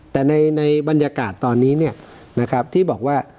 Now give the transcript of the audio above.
แต่ในบรรยากาศตอนนี้ที่บอกว่า